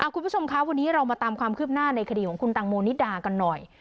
คุณผู้ชมคะวันนี้เรามาตามความคืบหน้าในคดีของคุณตังโมนิดากันหน่อย